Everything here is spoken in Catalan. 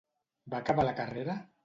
Va acabar la carrera?